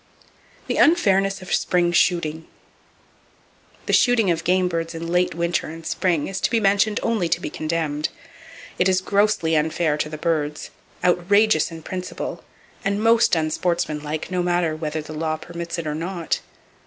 The Unfairness Of Spring Shooting. —The shooting of game birds in late winter and spring is to be mentioned only to be condemned. It is grossly unfair to the birds, outrageous in principle, and most unsportsmanlike, no matter whether the law permits it or not.